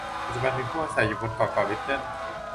ปัจจุบัน มีผู้อยู่อาศัยบนเกาะเกาะลิตเติล